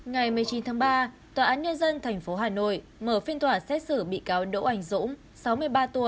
ngày một mươi chín tháng ba tòa án nhân dân tp hà nội mở phiên tòa xét xử bị cáo đỗ ảnh dũng sáu mươi ba tuổi